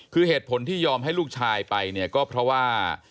คือเหตุผลที่ยอมให้ลูกชายไปเนี่ยก็เพราะว่า